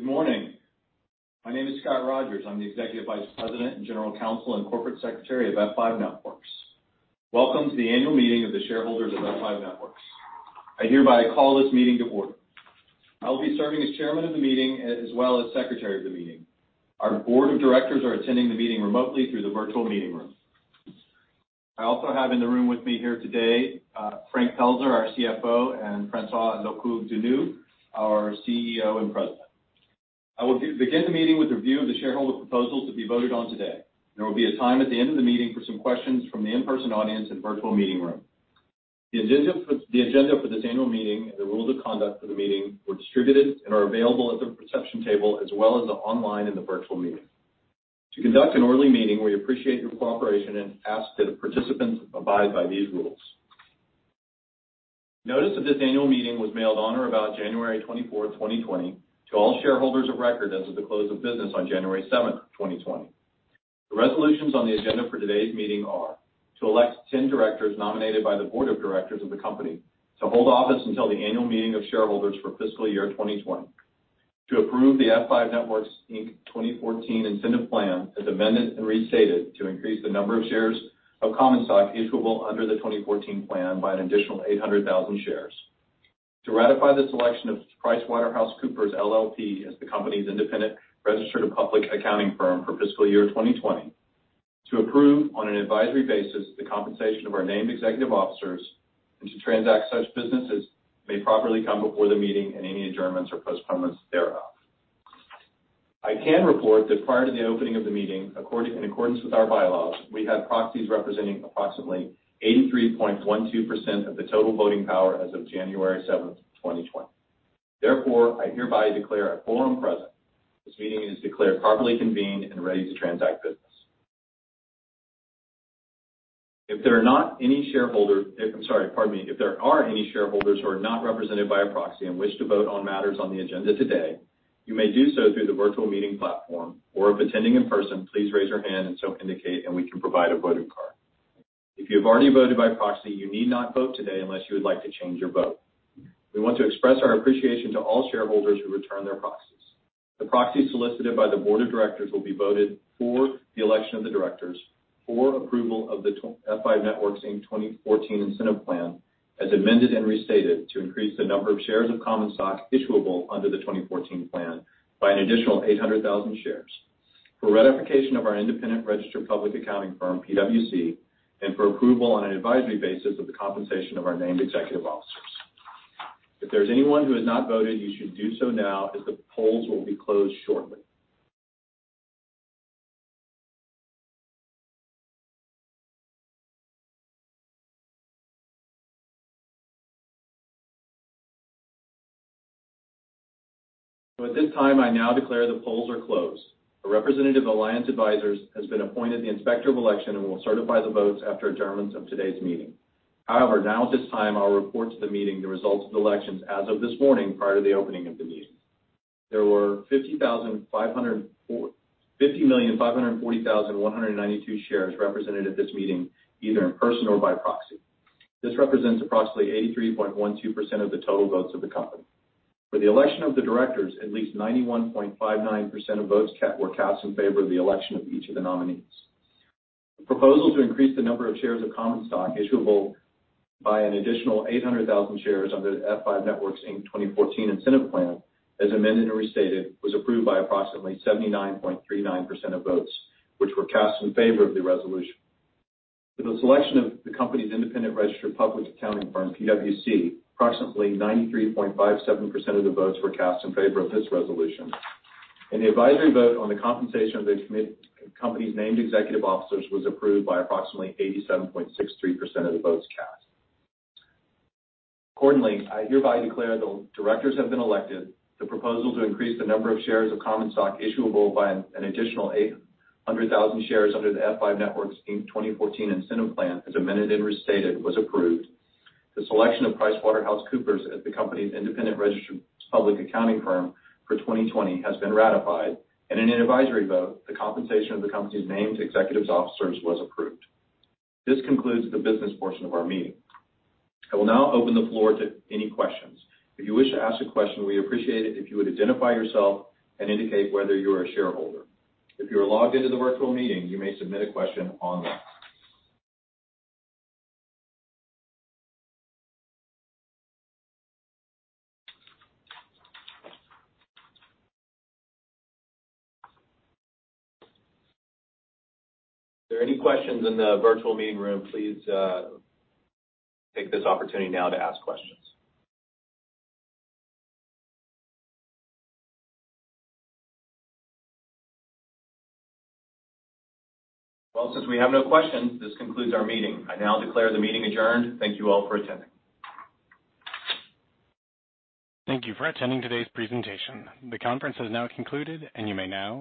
Good morning. My name is Scot Rogers. I'm the Executive Vice President and General Counsel and Corporate Secretary of F5 Networks. Welcome to the annual meeting of the shareholders of F5 Networks. I hereby call this meeting to order. I'll be serving as Chairman of the meeting as well as Secretary of the meeting. Our Board of Directors are attending the meeting remotely through the virtual meeting room. I also have in the room with me here today Frank Pelzer, our CFO, and François Locoh-Donou, our CEO and President. I will begin the meeting with a review of the shareholder proposals to be voted on today. There will be a time at the end of the meeting for some questions from the in-person audience and virtual meeting room. The agenda for this annual meeting and the rules of conduct for the meeting were distributed and are available at the reception table as well as online in the virtual meeting. To conduct an early meeting, we appreciate your cooperation and ask that participants abide by these rules. Notice that this annual meeting was mailed on or about January 24, 2020, to all shareholders of record as of the close of business on January 7, 2020. The resolutions on the agenda for today's meeting are: to elect 10 directors nominated by the Board of Directors of the company. To hold office until the annual meeting of shareholders for fiscal year 2020. To approve the F5 Networks, Inc. 2014 Incentive Plan as amended and restated to increase the number of shares of common stock issuable under the 2014 plan by an additional 800,000 shares, to ratify the selection of PricewaterhouseCoopers LLP as the company's independent registered public accounting firm for fiscal year 2020, to approve on an advisory basis the compensation of our named executive officers, and to transact such business as may properly come before the meeting and any adjournments or postponements thereof. I can report that prior to the opening of the meeting, in accordance with our bylaws, we had proxies representing approximately 83.12% of the total voting power as of January 7, 2020. Therefore, I hereby declare a quorum present. This meeting is declared properly convened and ready to transact business. If there are not any shareholders, I'm sorry, pardon me, if there are any shareholders who are not represented by a proxy and wish to vote on matters on the agenda today, you may do so through the virtual meeting platform, or if attending in person, please raise your hand and so indicate, and we can provide a voting card. If you have already voted by proxy, you need not vote today unless you would like to change your vote. We want to express our appreciation to all shareholders who return their proxies. The proxies solicited by the Board of Directors will be voted for the election of the directors for approval of the F5 Networks, Inc. 2014 Incentive Plan as amended and restated to increase the number of shares of common stock issuable under the 2014 plan by an additional 800,000 shares for ratification of our independent registered public accounting firm, PwC, and for approval on an advisory basis of the compensation of our named executive officers. If there's anyone who has not voted, you should do so now as the polls will be closed shortly. At this time, I now declare the polls are closed. A representative of Alliance Advisors has been appointed the inspector of election and will certify the votes after adjournments of today's meeting. However, now at this time, I'll report to the meeting the results of the elections as of this morning prior to the opening of the meeting. There were 50,540,192 shares represented at this meeting either in person or by proxy. This represents approximately 83.12% of the total votes of the company. For the election of the directors, at least 91.59% of votes were cast in favor of the election of each of the nominees. The proposal to increase the number of shares of common stock issuable by an additional 800,000 shares under the F5 Networks, Inc. 2014 Incentive Plan as amended and restated was approved by approximately 79.39% of votes, which were cast in favor of the resolution. For the selection of the company's independent registered public accounting firm, PwC, approximately 93.57% of votes were cast in favor of this resolution, and the advisory vote on the compensation of the company's named executive officers was approved by approximately 87.63% of the votes cast. Accordingly, I hereby declare the directors have been elected. The proposal to increase the number of shares of common stock issuable by an additional 800,000 shares under the F5 Networks, Inc. 2014 Incentive Plan as amended and restated was approved. The selection of PricewaterhouseCoopers as the company's independent registered public accounting firm for 2020 has been ratified, and in an advisory vote, the compensation of the company's named executive officers was approved. This concludes the business portion of our meeting. I will now open the floor to any questions. If you wish to ask a question, we appreciate it if you would identify yourself and indicate whether you are a shareholder. If you are logged into the virtual meeting, you may submit a question online. If there are any questions in the virtual meeting room, please take this opportunity now to ask questions. Well, since we have no questions, this concludes our meeting. I now declare the meeting adjourned. Thank you all for attending. Thank you for attending today's presentation. The conference has now concluded, and you may now.